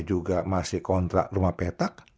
juga masih kontrak rumah petak